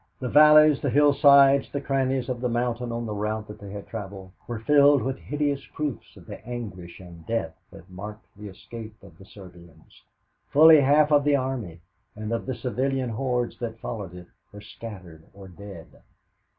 The valleys, the hillsides, the crannies of the mountain on the route that they had traveled, were filled with hideous proofs of the anguish and death that marked the escape of the Serbians. Fully half of the army and of the civilian hordes that followed it were scattered or dead.